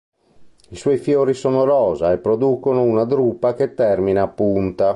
I suoi fiori sono rosa e producono una drupa che termina a punta.